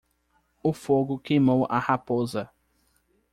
O fogo queimou a raposa.